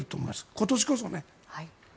今年こそね。